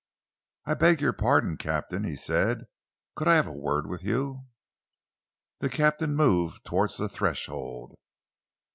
"I beg your pardon, Captain," he said, "could I have a word with you?" The captain moved towards the threshold.